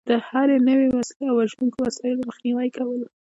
د هر نوع وسلې او وژونکو وسایلو مخنیوی کول.